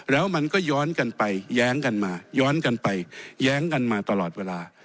แล้วมันก็ย้อนกันไปแย้งกันมาย้อนกันไปแย้งกันมาตลอดเวลา